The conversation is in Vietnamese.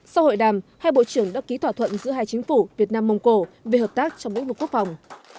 sau hội đàm hai bộ trưởng đã ký thỏa thuận giữa hai chính phủ việt nam mông cổ về hợp tác trong lĩnh vực quốc phòng